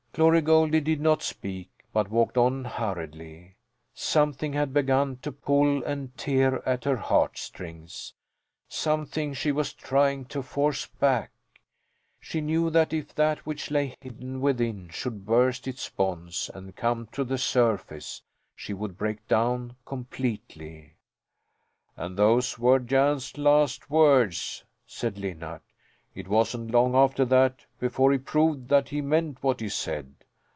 '" Glory Goldie did not speak, but walked on hurriedly. Something had begun to pull and tear at her heart strings something she was trying to force back. She knew that if that which lay hidden within should burst its bonds and come to the surface, she would break down completely. "And those were Jan's last words," said Linnart. "It wasn't long after that before he proved that he meant what he said.